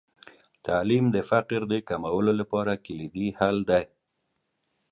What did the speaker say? تعلیم د فقر د کمولو لپاره کلیدي حل دی.